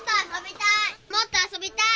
もっと遊びたい。